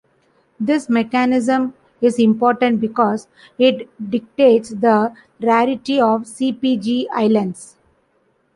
This mechanism is important because it dictates the rarity of CpG islands.